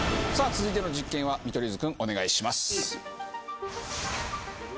続いての実験は見取り図君お願いします。